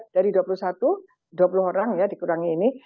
dari dua puluh satu dua puluh orang ya dikurangi ini